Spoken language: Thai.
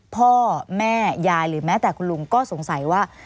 พ่อแม่ยายหรือแม้แต่คุณลุงก็สงสัยว่า